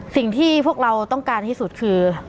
สิ่งที่พวกเราต้องการที่สุดคือ